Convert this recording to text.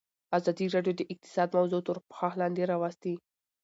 ازادي راډیو د اقتصاد موضوع تر پوښښ لاندې راوستې.